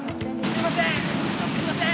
すいません。